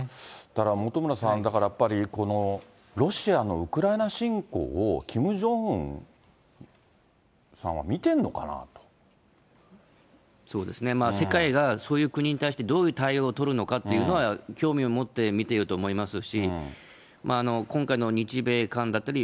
だから本村さん、だからやっぱりこのロシアのウクライナ侵攻をキム・ジョンウンさそうですね、世界がそういう国に対して、どういう対応を取るのかというのは興味を持って見ていると思いますし、今回の日米韓だったり、